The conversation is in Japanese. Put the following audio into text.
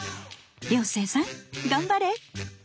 涼星さん頑張れ！